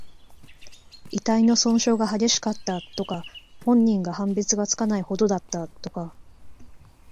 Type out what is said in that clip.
遺体の損傷が激しかった、とか。本人か判別がつかないほどだった、とか。